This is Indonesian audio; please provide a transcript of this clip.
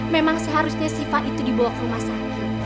memang seharusnya sifat itu dibawa ke rumah sakit